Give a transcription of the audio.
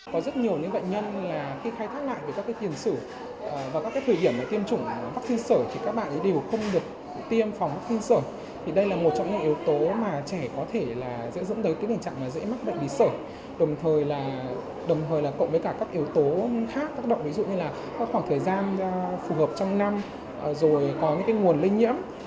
có những nguồn lây nhiễm thì đấy là những yếu tố mà trẻ có thể bị bệnh lý sởi của đợt mùa năm nay